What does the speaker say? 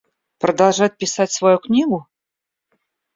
Продолжать писать свою книгу?